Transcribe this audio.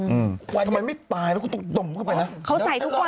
อืมมันไม่ตายแล้วก็ต้องดมเข้าไปแล้วเขาใส่ทุกวัน